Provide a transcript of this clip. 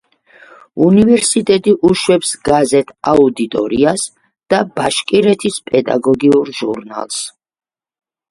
უნივერსიტეტი უშვებს გაზეთ „აუდიტორიას“ და „ბაშკირეთის პედაგოგიურ ჟურნალს“.